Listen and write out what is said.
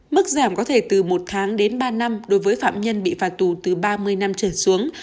mức giảm có thể từ một tháng đến ba năm đối với phạm nhân bị phạt tù từ ba mươi năm trở xuống